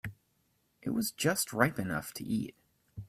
It was just ripe enough to eat.